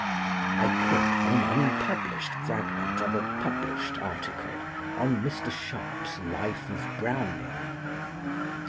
I quote from an unpublished fragment of a published article on Mr. Sharp's 'Life of Browning'.